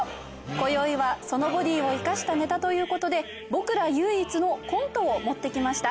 今宵はそのボディを生かしたネタということで僕ら唯一のコントを持ってきました。